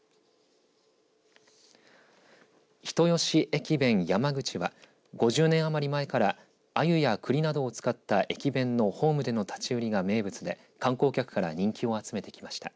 駅弁やまぐちは５０年余り前からあゆやくりなどを使った駅伝のホームでの立ち売りが名物で観光客から人気を集めてきました。